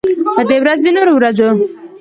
په دې ورځ د نورو ورځو